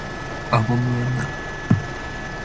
adombuen na